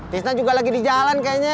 tisna juga lagi di jalan kayaknya